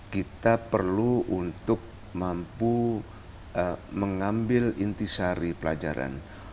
kita perlu untuk mampu mengambil intisari pelajaran